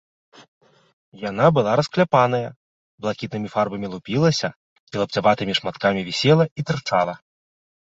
Яна была раскляпаная, блакітная фарба лупілася і лапцяватымі шматкамі вісела і тырчала.